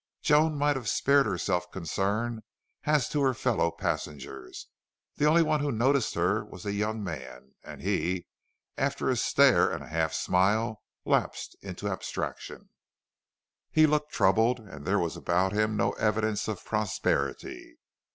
Joan might have spared herself concern as to her fellow passengers. The only one who noticed her was the young man, and he, after a stare and a half smile, lapsed into abstraction. He looked troubled, and there was about him no evidence of prosperity.